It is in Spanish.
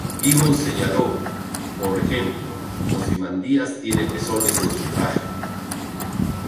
Gibbons señaló que, por ejemplo, "Ozymandias tiene pezones en su traje.